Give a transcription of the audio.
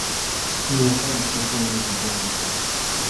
He was sentenced to four years in prison.